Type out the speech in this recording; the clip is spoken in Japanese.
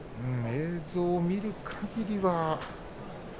映像を見るかぎりは。